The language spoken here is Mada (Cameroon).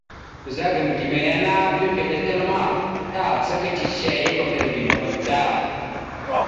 Ɓəzagam gime ya ana mèpiɗe tal ma, tàcaka cicihe ya kwatar gime vaɗ da.